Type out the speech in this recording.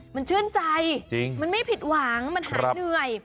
มันชื่นใจมันไม่ผิดหวังมันหายเหนื่อย